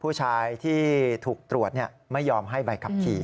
ผู้ชายที่ถูกตรวจไม่ยอมให้ใบขับขี่